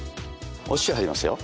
お塩入りますよ。